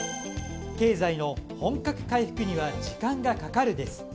経済の本格回復には時間がかかる、です。